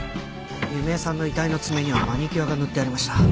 弓江さんの遺体の爪にはマニキュアが塗ってありました。